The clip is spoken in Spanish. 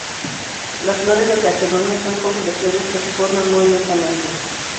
Las flores de calcedonia son concreciones que se forman muy lentamente.